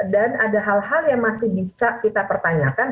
dan ada hal hal yang masih bisa kita pertanyakan